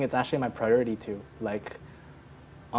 itu sebenarnya prioritas saya juga